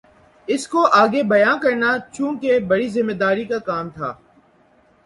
اِس کو آگے بیان کرنا چونکہ بڑی ذمہ داری کا کام تھا